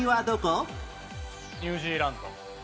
ニュージーランド。